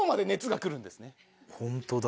ホントだ。